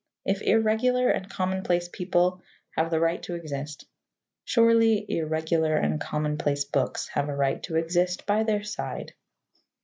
If irregular and commonplace people have the right to exist, surely irregular and commonplace books have a right to exist by their side.